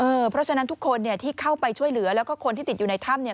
เพราะฉะนั้นทุกคนเนี่ยที่เข้าไปช่วยเหลือแล้วก็คนที่ติดอยู่ในถ้ำเนี่ย